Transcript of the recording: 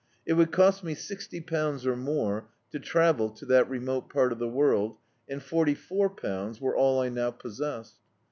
It would cost me sixty pounds, or more, to travel to that remote part of the world, and forty four pounds were all I now possessed.